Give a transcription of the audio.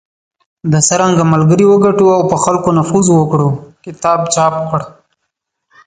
د"څرنګه ملګري وګټو او په خلکو نفوذ وکړو" کتاب چاپ کړ .